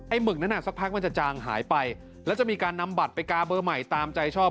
หมึกนั้นอ่ะสักพักมันจะจางหายไปแล้วจะมีการนำบัตรไปกาเบอร์ใหม่ตามใจชอบ